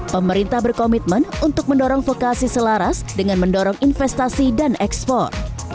pemerintah berkomitmen untuk mendorong vokasi selaras dengan mendorong investasi dan ekspor